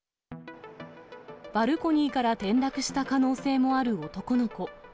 バルコニーから転落した可能性もある男の子。